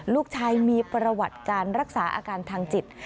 ลูกชายมีประวัติการรักษาอาการทางจิต